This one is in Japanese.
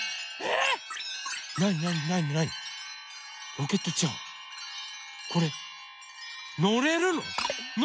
ロケットちゃんこれのれるの？